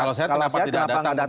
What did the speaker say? kalau sehat kenapa tidak datang ke kppk